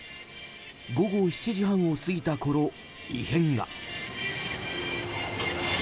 午後７時半を過ぎたころ異変が。